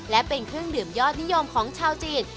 และเป็นเครื่องดื่มยอดนิยมของชาวจีน